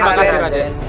terima kasih kak den